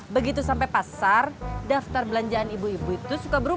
begitu sampai pasar daftar belanjaan ibu ibu itu suka berubah